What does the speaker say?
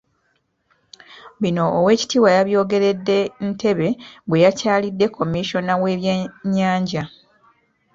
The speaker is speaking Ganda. Bino Owekitiibwa yabyogeredde Ntebe bweyakyalidde Commissioner w'Ebyenyanja.